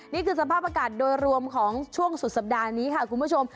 นี่คือสภาพอากาศโดยรวมของช่วงสุดสัปดาห์นี้ค่ะคุณผู้ชม